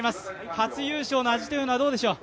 初優勝の味というのはどうでしょう？